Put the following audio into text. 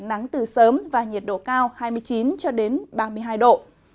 nắng từ sớm và nhiệt độ cao hai mươi chín cho đến ba mươi hai độ